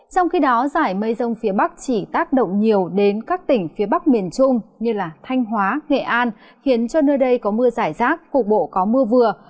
trong khi đó giải mây rông phía bắc chỉ tác động nhiều đến các tỉnh phía bắc miền trung như thanh hóa nghệ an khiến cho nơi đây có mưa giải rác cục bộ có mưa vừa